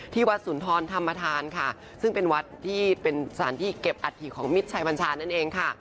วัดสุนทรธรรมธานค่ะซึ่งเป็นวัดที่เป็นสถานที่เก็บอัฐิของมิตรชัยบัญชานั่นเองค่ะ